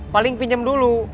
paling pinjam dulu